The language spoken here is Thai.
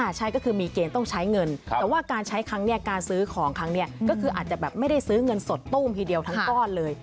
ใช่ก็คือมีเกณฑ์ต้องใช้เงินแต่ว่าการใช้ครั้งนี้การซื้อของครั้งนี้ก็คืออาจจะแบบไม่ได้ซื้อเงินสดตู้มทีเดียวทั้งก้อนเลย